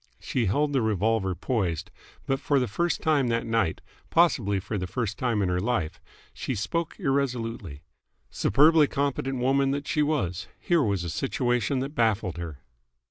She held the revolver poised, but for the first time that night possibly for the first time in her life she spoke irresolutely. Superbly competent woman though she was, here was a situation that baffled her.